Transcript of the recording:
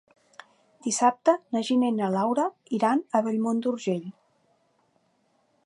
Dissabte na Gina i na Laura iran a Bellmunt d'Urgell.